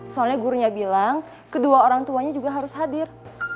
soalnya gurunya bilang kedua orang tuanya juga harus hadir